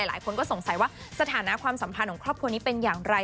หลายคนก็สงสัยว่าสถานะความสัมพันธ์ของครอบครัวนี้เป็นอย่างไร